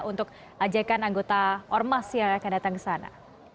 untuk ajakan anggota ormas yang akan datang ke sana